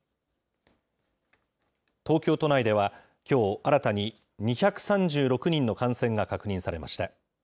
東京都内ではきょう、新たに２３６人の感染が確認されました。